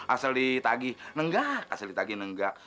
asli tagih nenggak asli tagih nenggak